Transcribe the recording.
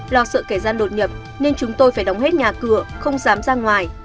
lo sợ kẻ gian đột nhập nên chúng tôi phải đóng hết nhà cửa không dám ra ngoài